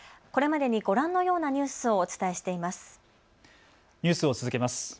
これまでにご覧のようなニュースをお伝えしています。